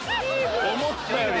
思ったより。